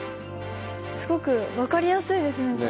すごく分かりやすいですねこれ。